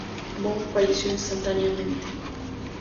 Bong falleció instantáneamente.